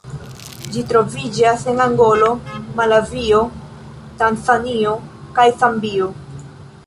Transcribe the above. Ĝi troviĝas en Angolo, Malavio, Tanzanio kaj Zambio.